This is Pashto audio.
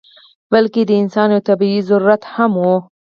بلکې دا د انسان یو طبعي ضرورت هم و.